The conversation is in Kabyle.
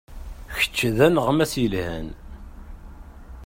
Kečč d aneɣmas yelhan.